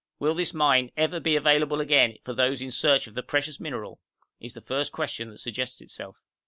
Will this mine ever be available again for those in search of the precious mineral? is the first question that suggests itself.